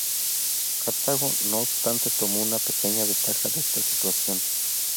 Cartago, no obstante, tomó una pequeña ventaja de esta situación.